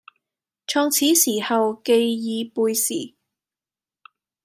創始時候旣已背時，